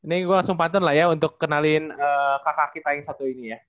ini gue langsung pantun lah ya untuk kenalin kakak kita yang satu ini ya